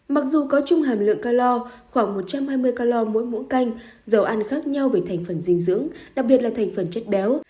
mặc dù có chung hàm lượng calor khoảng một trăm hai mươi calor mỗi mũ canh dầu ăn khác nhau về thành phần dinh dưỡng đặc biệt là thành phần chất béo